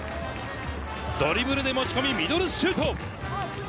ドリブルで持ち込みミドルシュート！